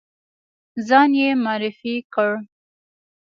ځان یې معرفي کړ.